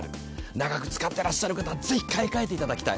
長く使ってらっしゃる方、ぜひ買い替えていただきたい。